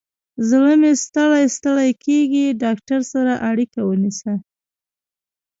زړه مې ستړی ستړي کیږي، ډاکتر سره اړیکه ونیسه